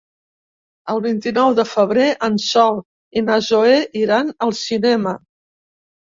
El vint-i-nou de febrer en Sol i na Zoè iran al cinema.